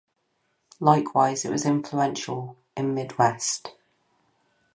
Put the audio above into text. Likewise it was influential in Midwest.